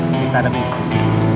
kita ada bisnis